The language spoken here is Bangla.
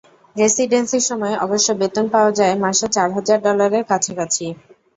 রেসিডেন্সির সময় অবশ্য বেতন পাওয়া যায় মাসে চার হাজার ডলারের কাছাকাছি।